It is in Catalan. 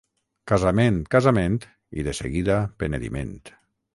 Casament, casament, i de seguida penediment.